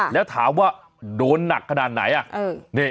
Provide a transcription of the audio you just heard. แล้วถามว่าโดนหนักขนาดไหน